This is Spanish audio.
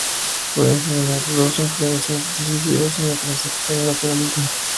Se pueden señalar dos influencias decisivas en la transición al naturalismo.